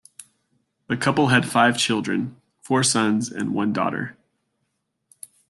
The couple had five children, four sons and one daughter.